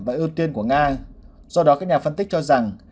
và ưu tiên của nga do đó các nhà phân tích cho rằng